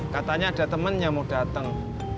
katanya ada temen yang mau dateng